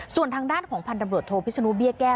ส่วนทางด้านของพันธบรวพิศนุเบี้ยแก้